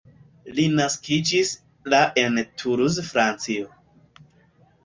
Li naskiĝis la en Toulouse Francio.